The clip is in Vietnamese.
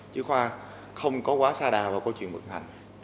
chứ khoa không có quá xa đà vào câu chuyện vận hành